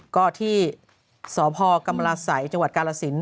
ก็ที่สพกรรมราศัยจังหวัดกาลสิน